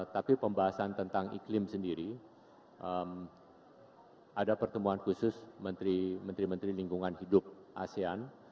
tapi pembahasan tentang iklim sendiri ada pertemuan khusus menteri menteri lingkungan hidup asean